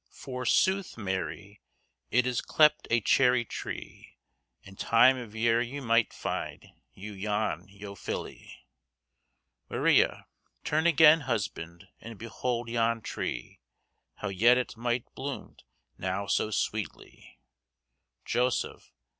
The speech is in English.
_ Forsoothe, Mary, it is clepyd a chery tre, In tyme of yer ye myght fede yow yon yō fylle. Maria. Turne ageyn, husbond, and beholde yon tre, How yt it blomyght now so swetly. _Joseph.